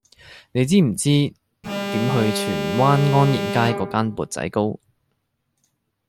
你知唔知點去荃灣安賢街嗰間缽仔糕